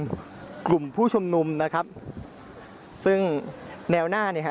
ก็จะเป็นกลุ่มผู้ชมนุมนะครับซึ่งแนวหน้าเนี่ยค่ะ